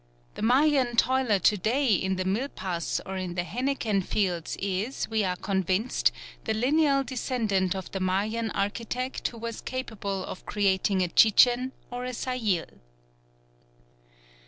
The Mayan toiler to day in the milpas or the henequen fields is, we are convinced, the lineal descendant of the Mayan architect who was capable of creating a Chichen or a Sayil.